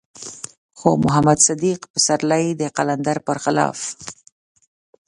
خو محمد صديق پسرلی د قلندر بر خلاف.